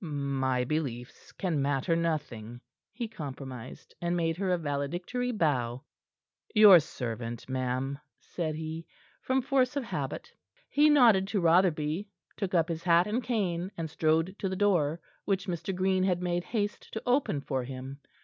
"My beliefs can matter nothing," he compromised, and made her a valedictory bow. "Your servant, ma'am," said he, from force of habit. He nodded to Rotherby, took up his hat and cane, and strode to the door, which Mr. Green had made haste to open for him.